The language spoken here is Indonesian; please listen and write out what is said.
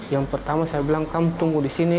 yang pertama saya bilang kamu tunggu di sini